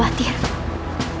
ibunda tidak perlu khawatir